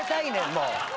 もう。